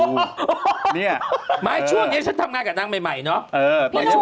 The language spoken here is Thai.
เนี่ยไม่ช่วงนี้ฉันทำงานกับนางใหม่เนาะ